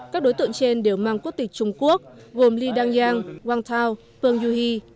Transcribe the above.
các đối tượng trên đều mang quốc tịch trung quốc gồm li đăng giang wang tao phương du huy